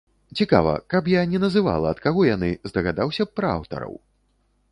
Цікава, каб я не называла, ад каго яны, здагадаўся б пра аўтараў?